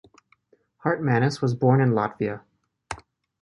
Hartmanis was born in Latvia.